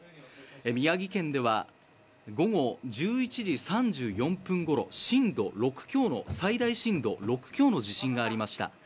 宮城県では午後１１時３４分ごろ最大震度６強の地震がありました。